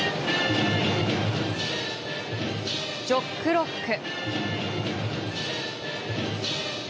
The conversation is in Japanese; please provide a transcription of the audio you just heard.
「ジョックロック」。